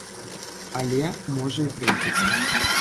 Але, можа, і прыйдзецца!